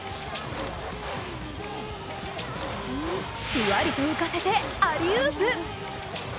ふわりと浮かせて、アリウープ。